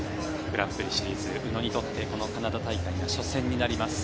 グランプリシリーズ宇野にとってこのカナダ大会が初戦になります。